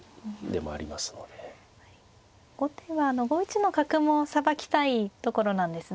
後手は５一の角もさばきたいところなんですね。